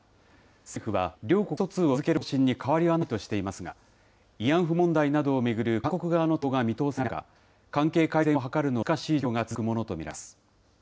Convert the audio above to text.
政府は両国の意思疎通を続ける方針に変わりはないとしていますが、慰安婦問題などを巡る韓国側の対応が見通せない中、関係改善を図るのは難しい状況が続くものと見られます。